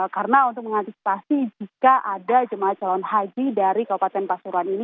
karena untuk mengantisipasi jika ada jemaah calon haji dari kabupaten pasuruan ini